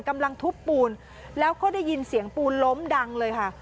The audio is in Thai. กำลังทุบปูนแล้วก็ได้ยินเสียงปูนล้มดังเลยค่ะ